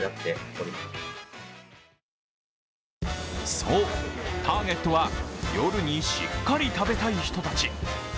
そう、ターゲットは夜にしっかり食べたい人たち。